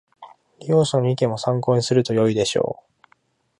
利用者の意見も参考にするとよいでしょう